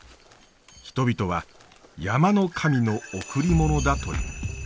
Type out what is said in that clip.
人々は山の神の贈りものだという。